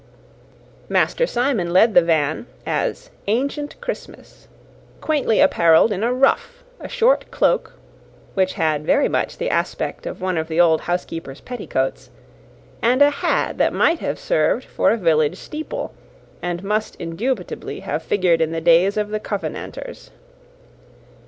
Master Simon led the van, as "Ancient Christmas," quaintly apparelled in a ruff, a short cloak, which had very much the aspect of one of the old housekeeper's petticoats, and a hat that might have served for a village steeple, and must indubitably have figured in the days of the Covenanters.